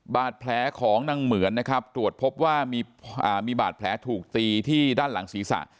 บาดแผลของนางเหมือนนะครับตรวจพบว่ามีบาดแผลถูกตีที่ด้านหลังศีรษะ